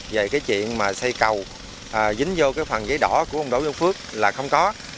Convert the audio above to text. về cái chuyện mà xây cầu dính vô cái phần giấy đỏ của ông đỗ văn phước là không có